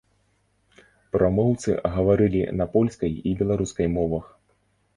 Прамоўцы гаварылі на польскай і беларускай мовах.